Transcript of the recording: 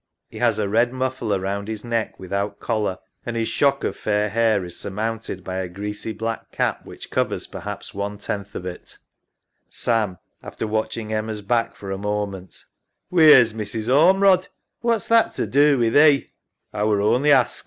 He has a red muffler round his neck without collar, and his shock of fair hair is surmounted by a greasy black cap, which covers perhaps one tenth of it. SAM (after watching Emma's back for a moment). Wheer's Mrs. Ormerod? EMMA (without looking up). What's that to do wi' thee? SAM (apologetically). A were only askin'.